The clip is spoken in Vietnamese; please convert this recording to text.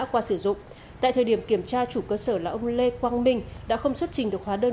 qua sử dụng tại thời điểm kiểm tra chủ cơ sở là ông lê quang minh đã không xuất trình được hóa đơn